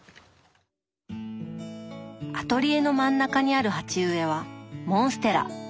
アトリエの真ん中にある鉢植えはモンステラ！